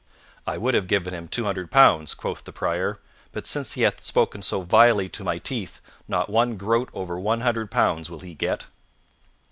"I would have given him two hundred pounds," quoth the Prior, "but since he hath spoken so vilely to my teeth, not one groat over one hundred pounds will he get."